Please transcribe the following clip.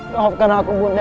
maafkan aku bunda